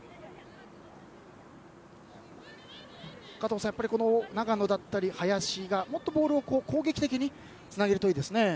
加藤さん、長野だったり林がもっとボールを攻撃的につなげるといいですね。